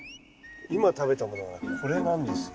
今食べたものはこれなんですよ。